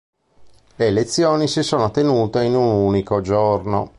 Le elezioni si sono tenute in un unico giorno.